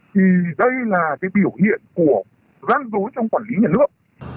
thì đây là cái biểu hiện của gian dối trong quản lý nhà nước